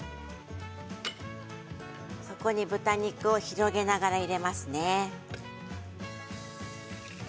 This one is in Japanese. そこに豚肉を広げながら入れますね。